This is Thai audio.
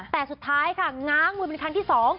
แต่สุดท้ายค่ะง้างมือเป็นครั้งที่๒